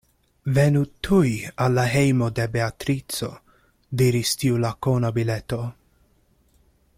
Venu tuj al la hejmo de Beatrico, diris tiu lakona bileto.